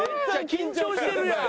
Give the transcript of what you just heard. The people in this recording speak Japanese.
緊張してるやん！